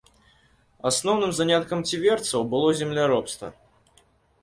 Асноўным заняткам ціверцаў было земляробства.